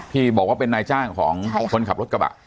ที่บอกว่าเป็นนายจ้างของคนขับรถกระบะ